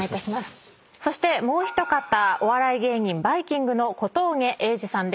そしてもう一方お笑い芸人バイきんぐの小峠英二さんです。